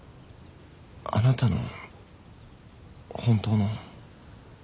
あなたの本当の。